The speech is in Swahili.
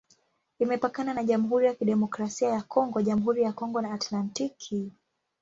Imepakana na Jamhuri ya Kidemokrasia ya Kongo, Jamhuri ya Kongo na Atlantiki.